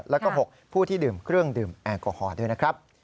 แล้วก็๖ผู้ที่ดื่มเครื่องดื่มแอลกอฮอล์ด้วยนะครับ